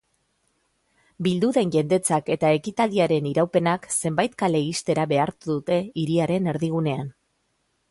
Bildu den jendetzak eta ekitaldiaren iraupenak zenbait kale ixtera behartu dute hiriaren erdigunean.